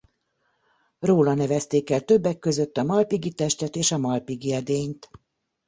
Róla nevezték el többek között a Malpighi-testet és a Malpighi-edényt.